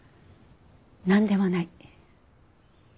なんでもない。